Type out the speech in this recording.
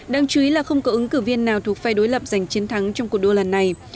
đáng chú ý là không có ứng cử viên nào thuộc phe đối lập giành chiến thắng trong cuộc đua lần này